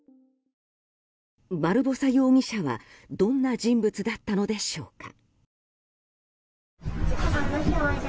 バルボサ容疑者はどんな人物だったのでしょうか。